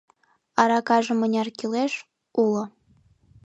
Аракаже мыняр кӱлеш, уло.